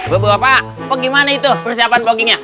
bapak gimana itu persiapan voggingnya